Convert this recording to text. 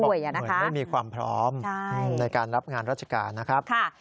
เหมือนไม่มีความพร้อมในการรับงานราชการนะครับ